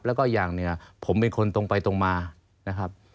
แล้วก็อย่างเนี่ยผมเป็นคนตรงไปตรงมานะครับ